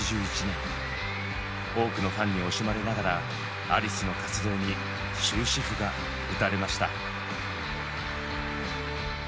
多くのファンに惜しまれながらアリスの活動に終止符が打たれました。